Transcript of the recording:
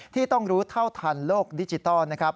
ที่ต้องรู้เท่าทันโลกดิจิทัล